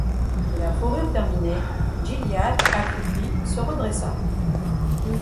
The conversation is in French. La fourrure terminée, Gilliatt accroupi se redressa.